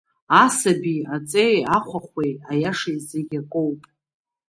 Асаби, аҵеи, ахәахәеи аиашеи зегь акоуп.